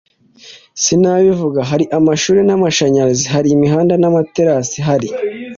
sinabivuga ; hari amashuri n’amashanyarazi ; hari imihanda n’amaterasi ; hari